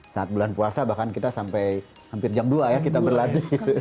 saat bulan puasa bahkan kita sampai hampir jam dua ya kita berlatih